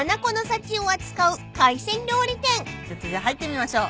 ちょっとじゃあ入ってみましょう。